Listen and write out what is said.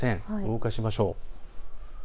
動かしましょう。